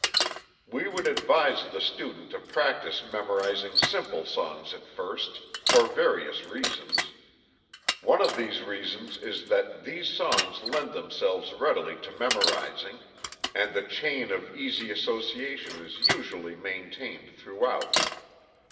We would advise the student to practice memorizing simple songs at first, for various reasons. One of these reasons is that these songs lend themselves readily to memorizing, and the chain of easy association is usually maintained throughout.